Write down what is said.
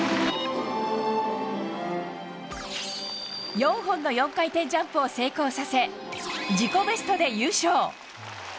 ４本の４回転ジャンプを成功させ自己ベストで優勝。